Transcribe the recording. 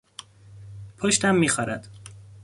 پشتم میخارد.